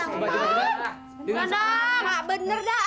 engga bener dah